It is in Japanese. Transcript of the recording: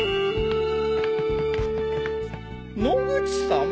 野口さん？